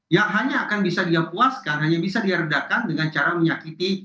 yang hanya akan bisa diapuaskan hanya bisa dieredakan dengan cara menyakiti